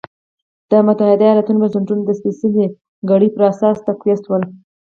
د متحده ایالتونو بنسټونه د سپېڅلې کړۍ پر اساس تقویه شول.